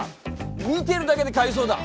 見てるだけでかゆそうだ。